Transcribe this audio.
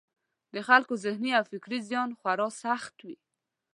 د خلکو ذهني او فکري زیان خورا سخت وي.